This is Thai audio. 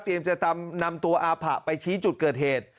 จะนำตัวอาผะไปชี้จุดเกิดเหตุ